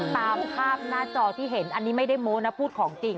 ตามภาพหน้าจอที่เห็นอันนี้ไม่ได้โม้นะพูดของจริง